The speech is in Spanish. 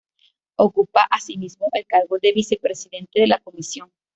Ocupa asimismo el cargo de Vicepresidente de la Comisión.